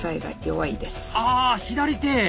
ああ左手⁉